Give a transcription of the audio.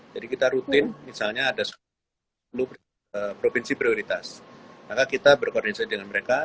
jadi kita rutin misalnya ada sepuluh provinsi prioritas maka kita berkoordinasi dengan mereka